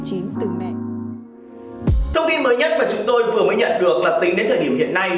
thông tin mới nhất mà chúng tôi vừa mới nhận được là tính đến thời điểm hiện nay